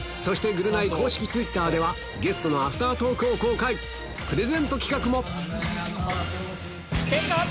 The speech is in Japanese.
『ぐるナイ』公式ツイッターではゲストのアフタートークを公開プレゼント企画も！